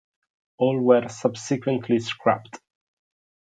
All were subsequently scrapped.